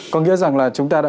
có nghĩa rằng là chúng ta đã